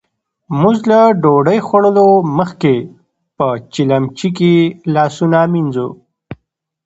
موژ له ډوډۍ خوړلو مخکې په چیلیمچې کې لاسونه مينځو.